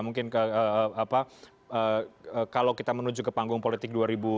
mungkin kalau kita menuju ke panggung politik dua ribu dua puluh